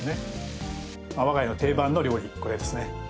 我が家の定番の料理これですね。